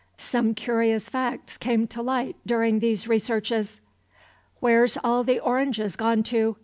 Some curious facts came to light during these researches. "Where's all the oranges gone to?"